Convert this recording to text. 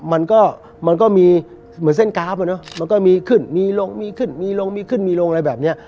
มันก็มันก็มีเหมือนเส้นกราฟอะเนอะมันก็มีขึ้นมีลงมีขึ้นมีลงมีขึ้นมีลงอะไรแบบเนี้ย